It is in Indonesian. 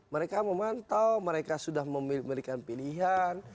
mereka memantau mereka sudah memberikan pilihan